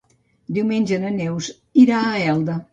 Diumenge na Neus irà a Elda.